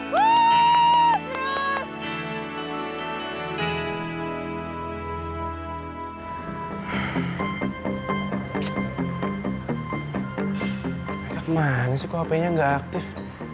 mereka kemana sih kok handphonenya gak aktif